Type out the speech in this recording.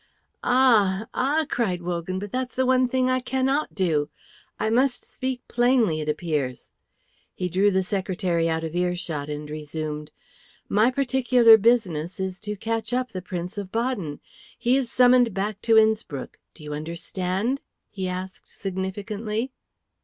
"Ah, ah!" cried Wogan, "but that's the one thing I cannot do. I must speak plainly, it appears." He drew the secretary out of ear shot, and resumed: "My particular business is to catch up the Prince of Baden. He is summoned back to Innspruck. Do you understand?" he asked significantly.